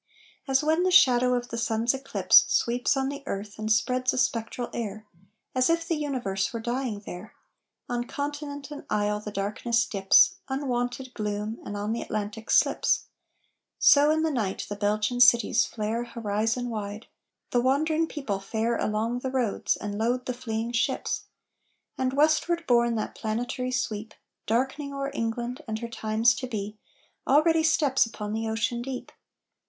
As when the shadow of the sun's eclipse Sweeps on the earth, and spreads a spectral air, As if the universe were dying there, On continent and isle the darkness dips, Unwonted gloom, and on the Atlantic slips; So in the night the Belgian cities flare Horizon wide; the wandering people fare Along the roads, and load the fleeing ships. And westward borne that planetary sweep, Darkening o'er England and her times to be, Already steps upon the ocean deep!